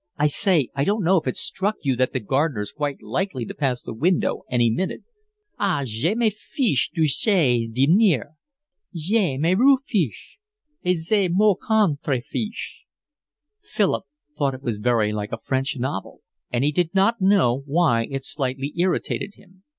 "I say, I don't know if it's struck you that the gardener's quite likely to pass the window any minute." "Ah, je m'en fiche du jardinier. Je m'en refiche, et je m'en contrefiche." Philip thought it was very like a French novel, and he did not know why it slightly irritated him.